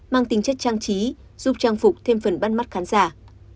mang tính chất trang trí giúp trang phục thêm phần bắt mắt khán giả